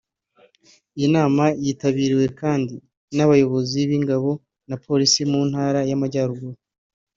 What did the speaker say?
Iyi nama yitabiriwe kandi n’abayobozi b’ingabo na Police mu Ntara y’Amajyaruguru